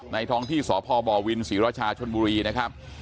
ท้องที่สพบวินศรีราชาชนบุรีนะครับ